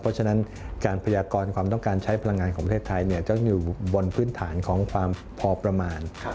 เพราะฉะนั้นการพยากรความต้องการใช้พลังงานของประเทศไทยต้องอยู่บนพื้นฐานของความพอประมาณ